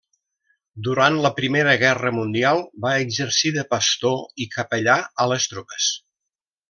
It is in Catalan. Durant la Primera Guerra Mundial va exercir de pastor i capellà a les tropes.